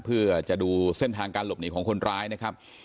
เพื่อจะดูเส้นทางการหลบหนีของคนร้ายนะครับ